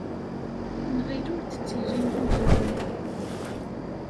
Nɣil ur d-ttilin wuguren.